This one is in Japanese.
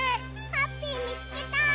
ハッピーみつけた！